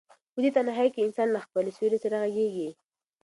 په دې تنهایۍ کې انسان له خپل سیوري سره غږېږي.